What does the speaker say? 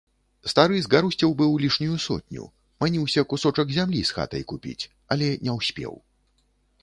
Стары згарусціў быў лішнюю сотню, маніўся кусочак зямлі з хатай купіць, але не ўспеў.